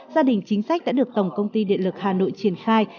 gia đình chính sách đã được tổng công ty điện lực hà nội triển khai